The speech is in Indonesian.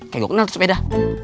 kayak gue kenal tuh sepeda